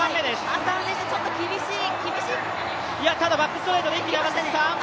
ハッサン選手、ちょっと厳しい。